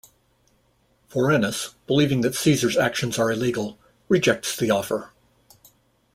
Vorenus, believing that Caesar's actions are illegal, rejects the offer.